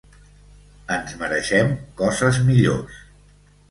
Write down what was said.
Ens mereixem coses millors.